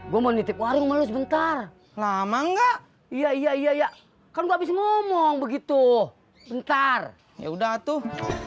gua mau nitip warung malu sebentar lama enggak iya iya iya iya kan gabis ngomong begitu bentar ya udah tuh